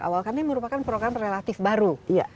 awal kan ini merupakan program relatif baru